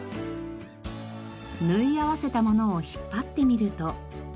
縫い合わせたものを引っ張ってみると。